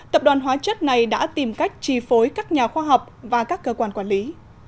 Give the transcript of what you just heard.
tập đoàn hóa chất này đã tìm cách chi phối các nhà khoa học và các cơ quan quản lý